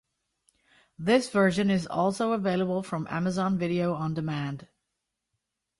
This version is also available from Amazon Video on Demand.